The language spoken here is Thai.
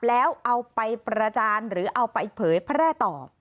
แล้วเอาไปประจานหรือเอาไปเผยแพร่ต่อ